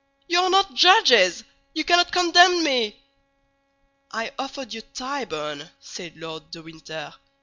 You are not judges! You cannot condemn me!" "I offered you Tyburn," said Lord de Winter.